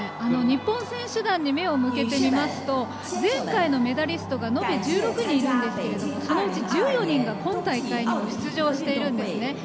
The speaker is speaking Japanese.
日本選手団に目を向けてみますと前回のメダリストがのべ１６人いるんですけれどもそのうち、１４人が今大会にも出場しているんですね。